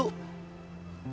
udah punya lak berapa